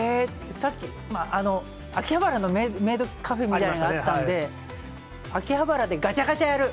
さっき、秋葉原のメイドカフェもあったんで、秋葉原でガチャガチャやる。